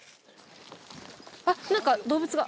あっなんか動物が。